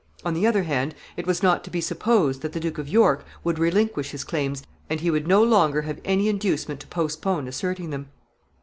On the other hand, it was not to be supposed that the Duke of York would relinquish his claims, and he would no longer have any inducement to postpone asserting them.